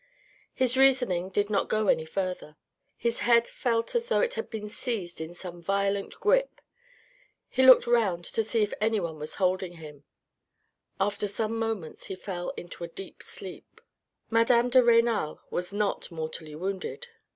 His reasoning did not go any further. His head felt as though it had been seized in some violent grip. He looked round to see if anyone was holding him. After some moments he fell into a deep sleep. Madame de Renal was not mortally wounded.